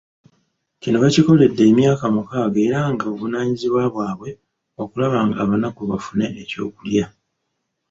Kino bakikoledde emyaka mukaaga era nga buvunaanyizibwa bwabwe okulaba ng’abanaku bafune ekyokulya .